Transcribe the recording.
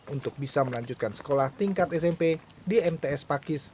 untuk bisa melanjutkan sekolah tingkat smp di mts pakis